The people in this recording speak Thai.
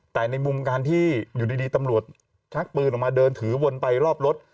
แต่ในมุมการที่อยู่ดีตำรวจชักปืนออกมาเดินถือวนไปรอบรถ